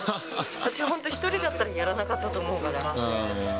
私、本当に１人だったらやらなかったと思うから。